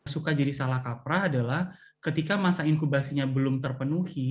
suka jadi salah kaprah adalah ketika masa inkubasinya belum terpenuhi